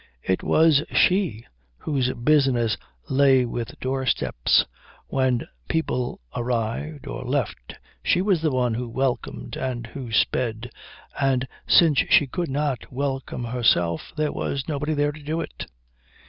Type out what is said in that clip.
It was she whose business lay with doorsteps when people arrived or left, she was the one who welcomed and who sped, and, since she could not welcome herself, there was nobody there to do it.